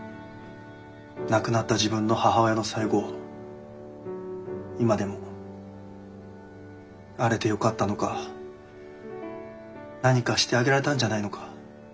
亡くなった自分の母親の最期を今でもあれでよかったのか何かしてあげられたんじゃないのか。